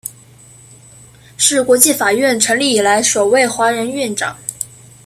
是国际法院成立以来首位华人院长。